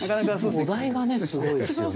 お題がねすごいですよね。